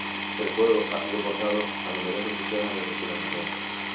El juego ha sido portado a numerosos sistemas desde su lanzamiento.